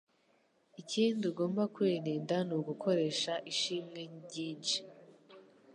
Ikindi ugomba kwirinda ni ugukoresha ishimwe ryinshi